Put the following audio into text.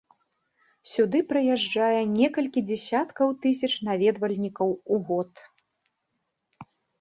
Сюды прыязджае некалькі дзясяткаў тысяч наведвальнікаў у год.